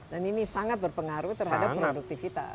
dan ini sangat berpengaruh terhadap produktivitas